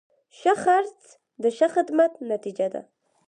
ښه خرڅ د ښه خدمت نتیجه ده.